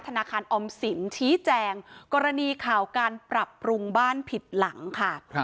ธนาคารออมสินชี้แจงกรณีข่าวการปรับปรุงบ้านผิดหลังค่ะ